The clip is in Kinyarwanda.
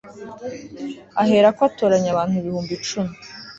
ahera ko atoranya abantu ibihumbi cumi